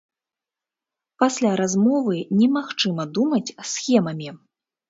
Пасля размовы немагчыма думаць схемамі.